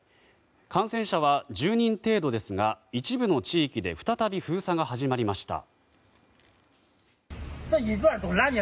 感染者は１０人程度ですが一部の地域で再び封鎖が始まりました。